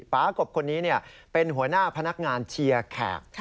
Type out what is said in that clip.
ปากบคนนี้เป็นหัวหน้าพนักงานเชียร์แขก